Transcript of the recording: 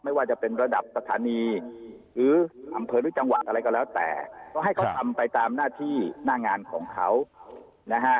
ไม่ว่าจะเป็นระดับสถานีหรืออำเภอหรือจังหวัดอะไรก็แล้วแต่ก็ให้เขาทำไปตามหน้าที่หน้างานของเขานะฮะ